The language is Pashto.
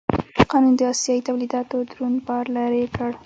قانون د اسیايي تولیداتو دروند بار لرې کړ.